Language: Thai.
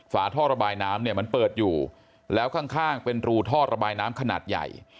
ฝาท่อระบายน้ำเนี่ยมันเปิดอยู่แล้วข้างเป็นรูท่อระบายน้ำขนาดใหญ่